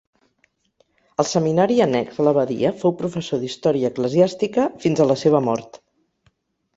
Al seminari annex a l'abadia fou professor d'història eclesiàstica fins a la seva mort.